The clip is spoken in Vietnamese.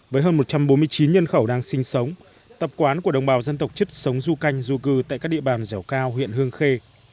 với hơn một trăm bốn mươi chín nhân khẩu đang sinh sống tập quán của đồng bào dân tộc chất sống du canh du cư tại các địa bàn dẻo cao huyện hương khê